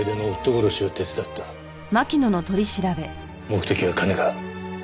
目的は金か？